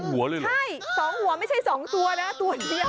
หัวเลยนะใช่๒หัวไม่ใช่๒ตัวนะตัวเดียว